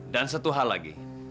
dan satu hal lagi